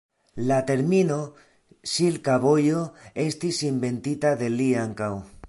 La termino "Silka Vojo" estis inventita de li ankaŭ.